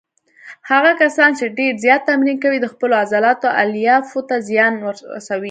هغه کسان چې ډېر زیات تمرین کوي د خپلو عضلاتو الیافو ته زیان ورسوي.